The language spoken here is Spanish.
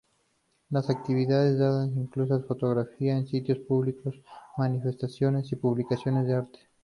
Las actividades Dada incluían fotografías en sitios públicos, manifestaciones y publicaciones de arte.